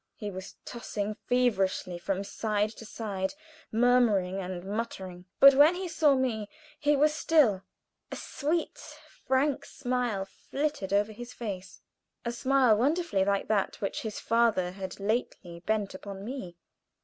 He was tossing feverishly from side to side, murmuring and muttering. But when he saw me he was still, a sweet, frank smile flitted over his face a smile wonderfully like that which his father had lately bent upon me.